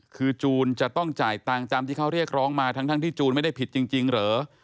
คือจูนจะต้องจ่ายตังค์ตามที่เขาเรียกร้องมาทั้งที่จูนไม่ได้ผิดจริงเหรอ